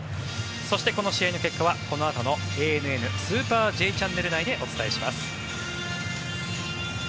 そして、この試合の結果はこのあとの「ＡＮＮスーパーＪチャンネル」内でお伝えします。